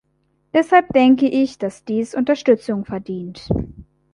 Deshalb denke ich, dass dies Unterstützung verdient.